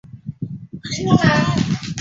但工程由于第一次世界大战而被延误。